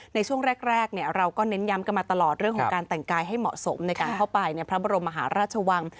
ในช่วงแรกเราก็เน้นย้ำกันมาตลอดเรื่องของการแต่งกายให้เหมาะสมในการเข้าไปในพระบรมมหาราชวัง